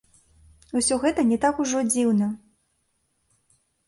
Усё гэта не так ужо дзіўна.